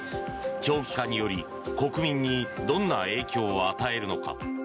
長期化により国民にどんな影響を与えるのか。